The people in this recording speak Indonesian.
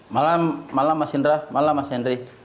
malam mas hendry